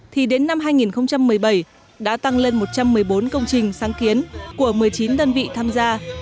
thì đến năm hai nghìn một mươi bảy đã tăng lên một trăm một mươi bốn công trình sáng kiến của một mươi chín đơn vị tham gia